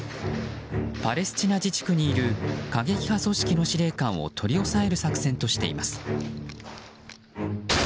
パレスチナ自治区にいる過激派組織の司令官を取り押さえる作戦としています。